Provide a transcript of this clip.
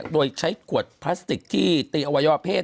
โดยใช้ขวดพลาสติกที่ตีอวัยวะเพศ